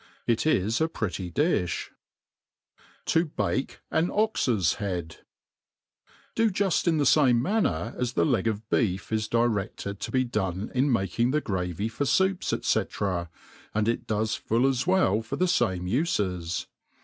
It is a pretty diib* To baki an Ox*s Head, DO juft in the fame manner as the leg of b^f is dircded to be done in making the gravy for foups,,&c, and it does full s^ft well for the fame ufes.